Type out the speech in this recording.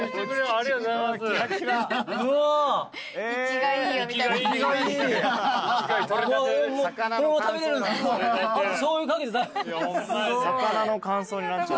ありがとうございます。